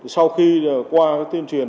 sau khi qua tiêm truyền